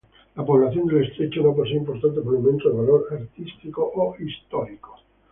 La población del estrecho no posee importantes monumentos de valor artístico o histórico.